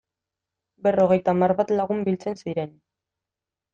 Berrogeita hamar bat lagun biltzen ziren.